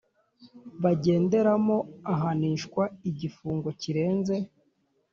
bagenderamo ahanishwa igifungo kirenze